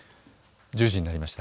１０時になりました。